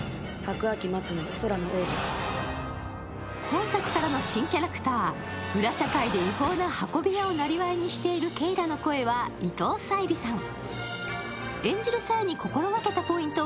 本作からの新キャラクター裏社会でで違法な運び屋をなりわいにしているケイラの声は伊藤沙莉さん。